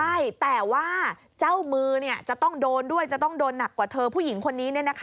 ใช่แต่ว่าเจ้ามือจะต้องโดนด้วยจะต้องโดนหนักกว่าเธอผู้หญิงคนนี้